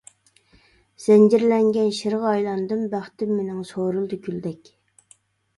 زەنجىرلەنگەن شىرغا ئايلاندىم، بەختىم مېنىڭ سورۇلدى كۈلدەك.